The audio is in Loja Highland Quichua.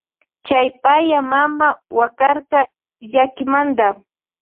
Chay paya mama wakarka llakimanta.